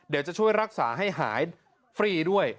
เดี๋ยวจะช่วยรักษาให้หายฟรีด้วย